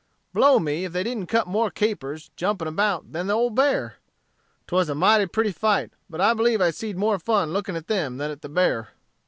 Blow me, if they didn't cut more capers, jumping about, than the old bear. 'Twas a mighty pretty fight, but I believe I seed more fun looking at them than at the bear.